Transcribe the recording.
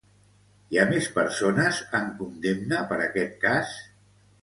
Hi ha més persones amb condemna per aquest cas?